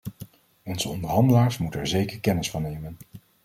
Onze onderhandelaars moeten er zeker kennis van nemen.